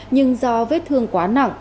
nhưng do vết thương quá nặng